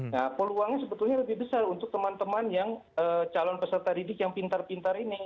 nah peluangnya sebetulnya lebih besar untuk teman teman yang calon peserta didik yang pintar pintar ini